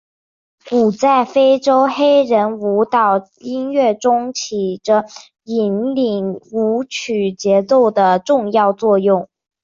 鼓在非洲黑人舞蹈音乐中起着引领舞曲节奏的重要作用。